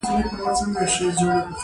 هماغه اوراد چې مې تا ته خودلي وو.